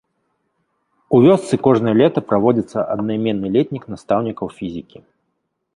У вёсцы кожнае лета праводзіцца аднаіменны летнік настаўнікаў фізікі.